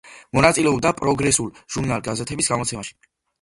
მონაწილეობდა პროგრესულ ჟურნალ-გაზეთების გამოცემაში.